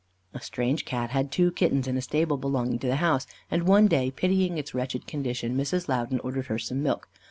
A strange Cat had two kittens in a stable belonging to the house, and one day, pitying its wretched condition, Mrs. Loudon ordered her some milk.